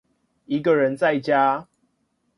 一個人在家